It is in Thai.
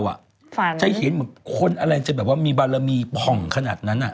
ฝันใช้เห็นคนอะไรจะแบบว่ามีบารมีผ่องขนาดนั้น